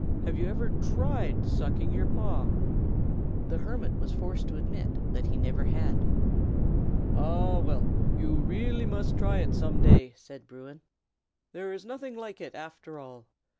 Have you ever tried sucking your paw?" The hermit was forced to admit that he never had. "Ah! well, you really must try it some day," said Bruin. "There is nothing like it, after all.